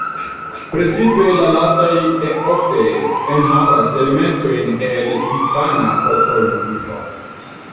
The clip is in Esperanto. Precipe la lastaj ofte enhavas elementojn el hispana popolmuziko.